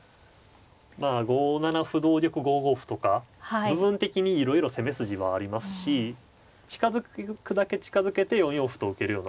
まあ５七歩同玉５五歩とか部分的にいろいろ攻め筋はありますし近づくだけ近づけて４四歩と受けるような。